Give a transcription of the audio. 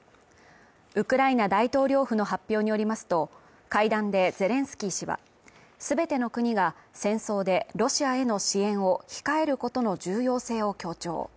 ウクライナ大統領府の発表によりますと、会談でゼレンスキー氏は全ての国が戦争でロシアへの支援を控えることの重要性を強調。